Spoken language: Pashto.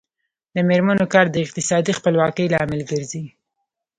د میرمنو کار د اقتصادي خپلواکۍ لامل ګرځي.